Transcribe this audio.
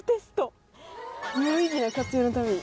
「有意義な活用のために」